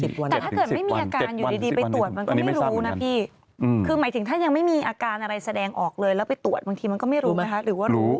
แต่ถ้าเกิดไม่มีอาการอยู่ดีไปตรวจมันก็ไม่รู้นะพี่คือหมายถึงท่านยังไม่มีอาการอะไรแสดงออกเลยแล้วไปตรวจบางทีมันก็ไม่รู้ไหมคะหรือว่ารู้